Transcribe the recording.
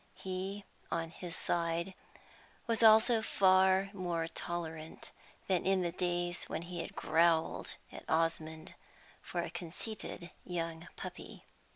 He, on his side, was also far more tolerant than in the days when he had growled at Osmond for a conceited young puppy.